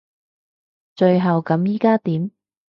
最後咁依家點？